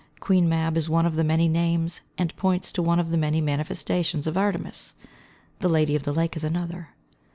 Queen Mab is one of the many names, and points to one of the many manifestations of Artemis; the Lady of the Lake is another.